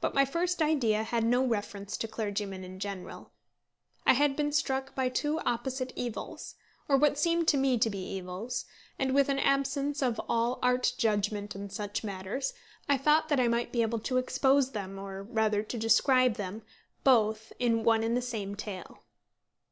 But my first idea had no reference to clergymen in general. I had been struck by two opposite evils, or what seemed to me to be evils, and with an absence of all art judgment in such matters, I thought that I might be able to expose them, or rather to describe them, both in one and the same tale.